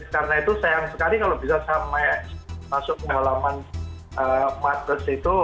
karena itu sayang sekali kalau bisa sampai masuk ke halaman madras itu